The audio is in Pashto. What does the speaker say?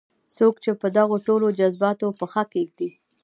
څوک چې په دغو ټولو جذباتو پښه کېږدي.